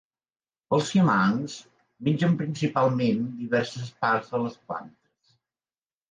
Els siamangs mengen principalment diverses parts de les plantes.